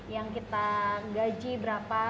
yang kita gaji berapa